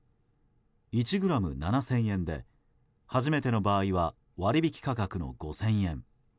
１ｇ７０００円で初めての場合は割引価格の５０００円。